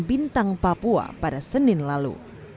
bintang papua pada senin lalu